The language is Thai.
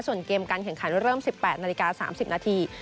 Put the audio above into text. ส่วนเกมการแข่งขันเริ่ม๑๘นาฬิกา๓๐นาที